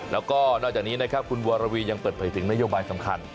แล้วก็นอกจากนี้นะครับคุณวรวียังเปิดเผยถึงนโยบายสำคัญ